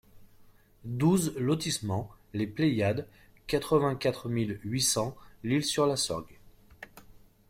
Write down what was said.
douze lotissement les Pléiades, quatre-vingt-quatre mille huit cents L'Isle-sur-la-Sorgue